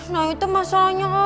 nah itu masalahnya om